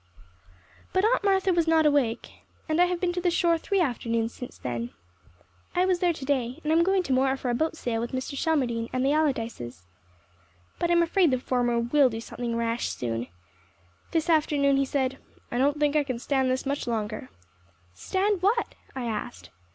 But Aunt Martha was not awake and I have been to the shore three afternoons since then. I was there today, and I'm going tomorrow for a boat sail with Mr. Shelmardine and the Allardyces. But I am afraid the former will do something rash soon. This afternoon he said: "I don't think I can stand this much longer." "Stand what?" I asked.